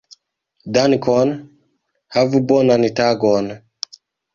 Dankon. Havu bonan tagon.